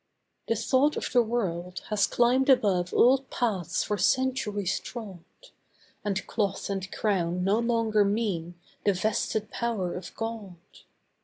The thought of the world has climbed above old paths for centuries trod; And cloth and crown no longer mean the 'vested power of God.